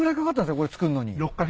これ作るのに。